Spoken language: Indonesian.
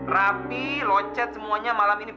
rapi lo cat semuanya malam ini